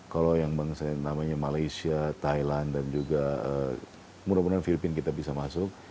kalau yang bangsa yang namanya malaysia thailand dan juga mudah mudahan filipina kita bisa masuk